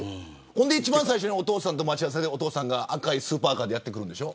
一番最初にお父さんとの待ち合わせでお父さんが赤いスーパーカーでやって来るんでしょ。